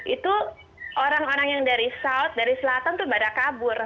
itu orang orang yang dari sout dari selatan itu pada kabur